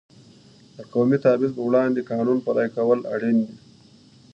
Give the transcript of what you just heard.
د قومي تبعیض پر وړاندې د قانون پلي کول اړین دي.